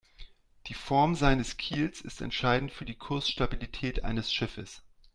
Die Form seines Kiels ist entscheidend für die Kursstabilität eines Schiffes.